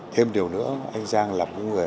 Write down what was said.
thêm điều nữa anh giang là một người